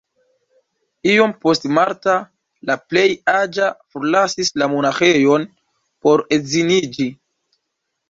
Iom poste Martha, la plej aĝa, forlasis la monaĥejon por edziniĝi.